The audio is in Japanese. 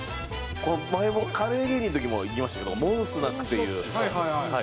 前もカレー芸人の時も行きましたけどモンスナックという。